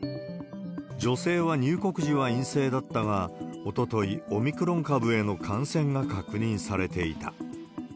女性は入国時は陰性だったが、おととい、オミクロン株への感染が確認されていた。